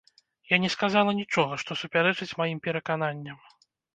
Я не сказала нічога, што супярэчыць маім перакананням.